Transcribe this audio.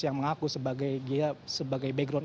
yang mengaku sebagai background